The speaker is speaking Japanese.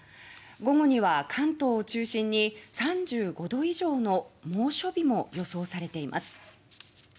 午後には関東を中心に３５度以上の猛暑日も予想されています。